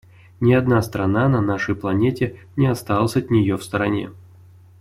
Ни одна страна на нашей планете не осталась от нее в стороне.